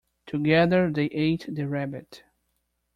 Together they ate the rabbit.